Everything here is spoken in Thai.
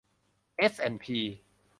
เอสแอนด์พี